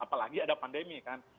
apalagi ada pandemi kan